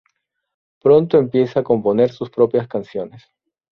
Pronto empieza a componer sus propias canciones.